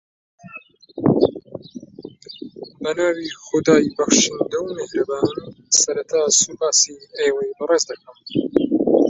أتتك المنايا من بلاد بعيدة